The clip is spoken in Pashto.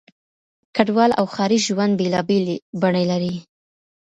کډوال او ښاري ژوند بېلابېلې بڼې لري.